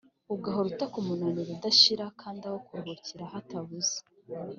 ugahora utaka umunaniro udashira kandi aho kuruhukira hatabuze?